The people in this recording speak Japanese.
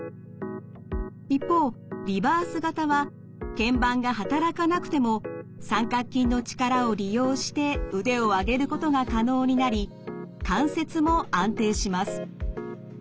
一方リバース型はけん板が働かなくても三角筋の力を利用して腕を上げることが可能になり関節も安定します。